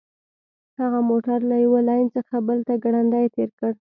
هغه موټر له یوه لین څخه بل ته ګړندی تیر کړ